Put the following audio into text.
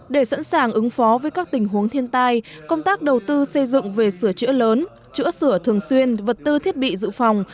để sẵn sàng ứng phó với các tình huống thiên tai công tác đầu tư xây dựng về sửa chữa lớn chữa sửa thường xuyên vật tư thiết bị dự phòng